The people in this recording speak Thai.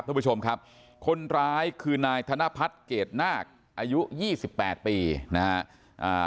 บอกว่าคนร้ายได้เลยนะครับทุกผู้ชมครับคนร้ายคือนายธนพัฒน์เกรดนาคอายุ๒๘ปีนะครับ